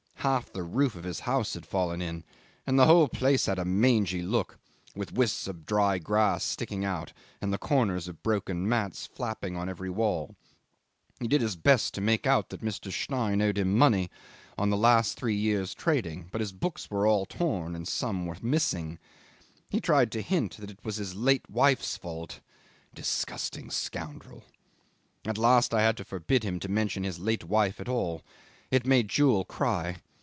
Half the roof of his house had fallen in, and the whole place had a mangy look, with wisps of dry grass sticking out and the corners of broken mats flapping on every wall. He did his best to make out that Mr. Stein owed him money on the last three years' trading, but his books were all torn, and some were missing. He tried to hint it was his late wife's fault. Disgusting scoundrel! At last I had to forbid him to mention his late wife at all. It made Jewel cry.